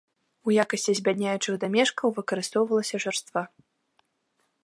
У якасці збядняючых дамешкаў выкарыстоўвалася жарства.